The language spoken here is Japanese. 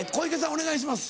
お願いします。